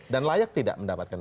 dan layak tidak mendapatkan itu